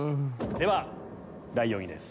では第４位です。